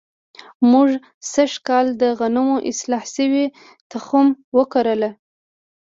موږ سږ کال د غنمو اصلاح شوی تخم وکرلو.